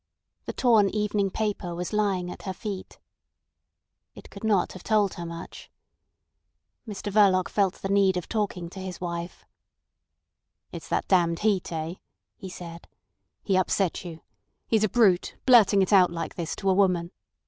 The torn evening paper was lying at her feet. It could not have told her much. Mr Verloc felt the need of talking to his wife. "It's that damned Heat—eh?" he said. "He upset you. He's a brute, blurting it out like this to a woman.